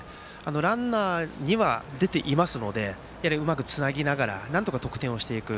ランナーは出ていますのでうまくつなぎながらなんとか得点していく。